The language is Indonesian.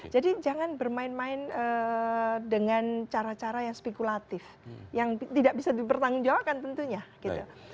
jadi jangan bermain main dengan cara cara yang spekulatif yang tidak bisa dipertanggungjawabkan tentunya gitu